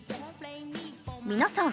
皆さん